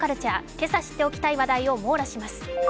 今朝知っておきたい話題を網羅します。